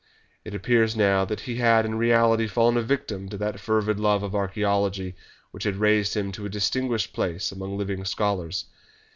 It appears now that he had in reality fallen a victim to that fervid love of archaeology which had raised him to a distinguished place among living scholars.